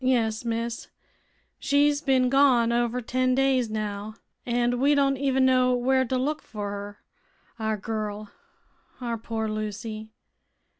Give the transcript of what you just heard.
"Yes, miss. She's bin gone over ten days, now, an' we don't even know where to look fer her; our girl our poor Lucy.